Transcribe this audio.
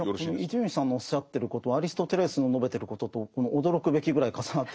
伊集院さんのおっしゃってることアリストテレスの述べてることと驚くべきぐらい重なってるところがあって。